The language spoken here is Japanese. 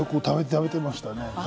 食べていました。